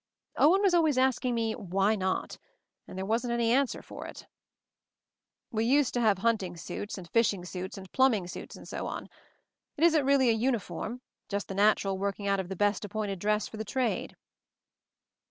Owen was always asking me "why not" — and there wasn't any answer to it. "We used to have hunting suits and fishing suits and plumbing suits, and so on. It isn't really a uniform, just the natural working out of the best appointed dress for the trade."